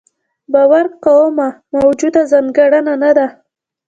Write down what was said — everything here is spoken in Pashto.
باور کومه موجوده ځانګړنه نه ده.